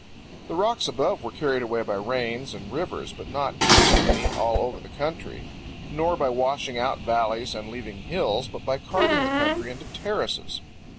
The rocks above were carried away by rains and rivers, but not evenly all over the country; nor by washing out valleys and leaving hills, but by carving the country into terraces.